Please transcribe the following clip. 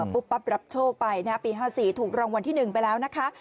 ปั๊บรับโชคไปนะปี๕๔ถูกรางวัลที่๑ไปแล้วนะคะ